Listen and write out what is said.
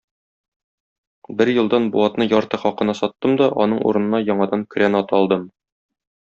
Бер елдан бу атны ярты хакына саттым да, аның урынына яңадан көрән ат алдым.